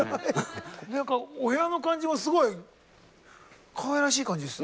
何かお部屋の感じもすごいかわいらしい感じですね。